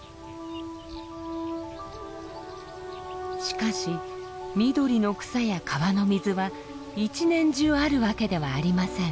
しかし緑の草や川の水は一年中あるわけではありません。